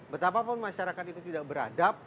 betapapun masyarakat itu tidak beradab